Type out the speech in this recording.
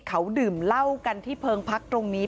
เขาดื่มเหล้ากันที่เพิงพักตรงนี้